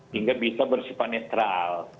hingga bisa bersifat netral